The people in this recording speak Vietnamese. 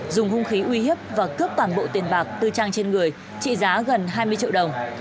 dùng hung khí uy hiếp và cướp toàn bộ tiền bạc tư trang trên người trị giá gần hai mươi triệu đồng